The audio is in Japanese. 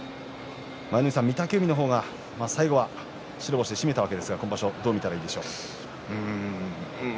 御嶽海の方が最後、白星で締めたわけですが今場所どう見たらいいですか？